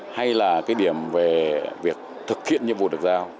hay là cái điểm về việc thực hiện nhiệm vụ được giao